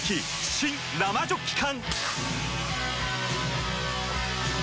新・生ジョッキ缶！